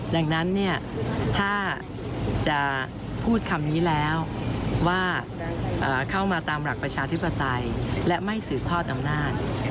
ดังนั้นถ้าจะพูดคำนี้แล้วว่าเข้ามาตามหลักประชาธิปไตยและไม่สืบทอดอำนาจ